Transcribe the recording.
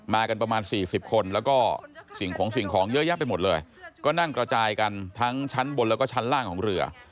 กันประมาณ๔๐คนแล้วก็สิ่งของสิ่งของเยอะแยะไปหมดเลยก็นั่งกระจายกันทั้งชั้นบนแล้วก็ชั้นล่างของเรือ